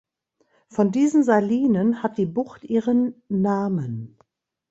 Von diesen Salinen hat die Bucht ihren Namen.